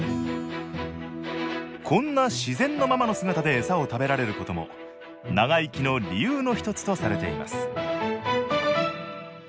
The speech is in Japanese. こんな自然のままの姿で餌を食べられることも長生きの理由の一つとされています